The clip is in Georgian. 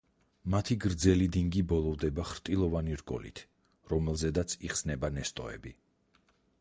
მათი გრძელი დინგი ბოლოვდება ხრტილოვანი რგოლით, რომელზედაც იხსნება ნესტოები.